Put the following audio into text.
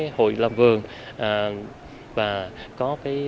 các hội làm vườn và có giúp cho các hội làm vườn